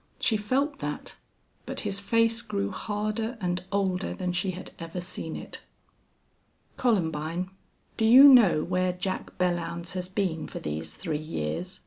She felt that. But his face grew harder and older than she had ever seen it. "Columbine, do you know where Jack Belllounds has been for these three years?"